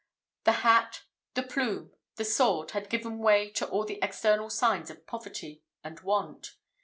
The hat, the plume, the sword, had given way to all the external signs of poverty and want.